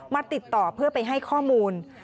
ติดต่อเพื่อไปให้ข้อมูล